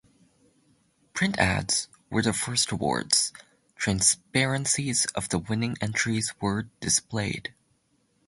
Print ads were the first awards; transparencies of the winning entries were displayed.